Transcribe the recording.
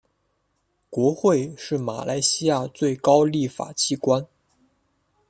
国会是马来西亚最高立法机关。